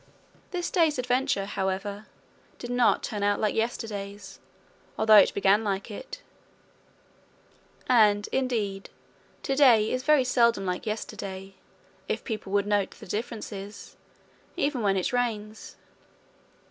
This day's adventure, however, did not turn out like yesterday's, although it began like it; and indeed to day is very seldom like yesterday, if people would note the differences even when it rains.